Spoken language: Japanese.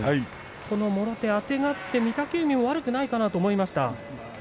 このもろ手あてがって、御嶽海悪くないかなと思いました。